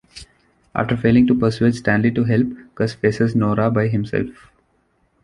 After failing to persuade Stanley to help, Gus faces Gnorga by himself.